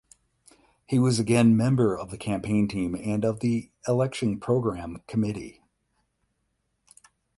He was again member of the campaign team and of the election program committee.